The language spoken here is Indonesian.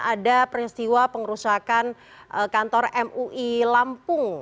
ada peristiwa pengerusakan kantor mui lampung